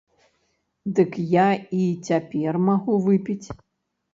Дык я і цяпер магу выпіць.